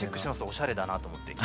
おしゃれだなと思って。